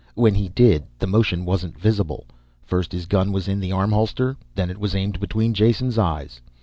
When he did, the motion wasn't visible. First his gun was in the arm holster then it was aimed between Jason's eyes.